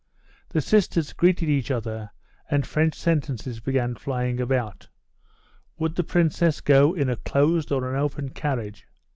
The sisters greeted each other, and French sentences began flying about. Would the Princess go in a closed or an open carriage?